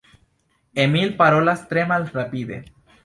Emil parolas tre malrapide.